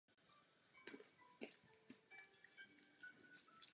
Nastoupil do funkce člena výboru pro status žen a výboru finančního.